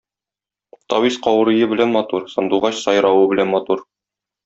Тавис каурые белән матур, сандугач сайравы белән матур.